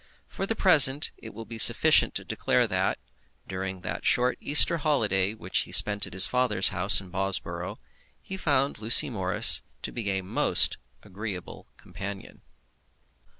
For the present it will be sufficient to declare that, during that short Easter holiday which he spent at his father's house in Bobsborough, he found Lucy Morris to be a most agreeable companion.